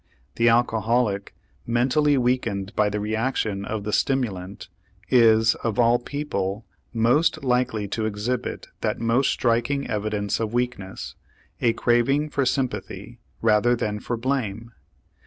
The alcoholic, mentally weakened by the reaction of the stimulant, is of all people most likely to exhibit that most striking evidence of weakness a craving for sympathy rather than for blame.